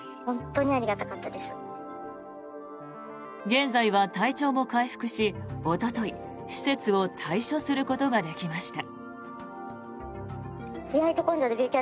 現在は体調も回復しおととい、施設を退所することができました。